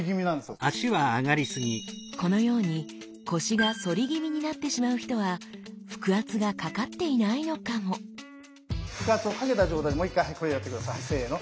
このように腰が反り気味になってしまう人は腹圧がかかっていないのかもせの。